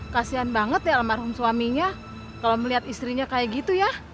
kasian banget ya almarhum suaminya kalau melihat istrinya kayak gitu ya